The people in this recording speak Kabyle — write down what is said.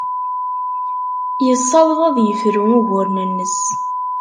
Yessaweḍ ad yefru uguren-nnes.